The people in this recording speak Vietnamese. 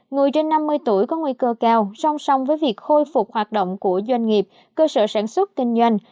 người trên năm mươi tuổi có nguy cơ cao song song với việc khôi phục hoạt động của doanh nghiệp cơ sở sản xuất kinh doanh